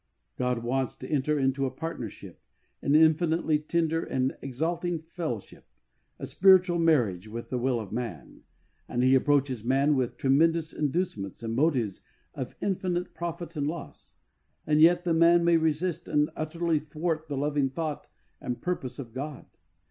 God wants to enter into a partnership, an infinitely tender and exalting fellowship, a spiritual marriage with the will of man, and He approaches man with tremendous inducements and motives of infinite profit and loss, and yet the man may resist and utterly thwart the loving thought and purpose of God.